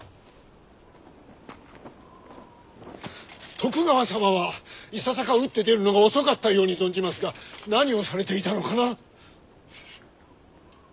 徳川様はいささか打って出るのが遅かったように存じますが何をされていたのかな？